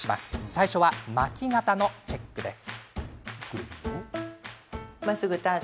最初は巻き肩のチェックです。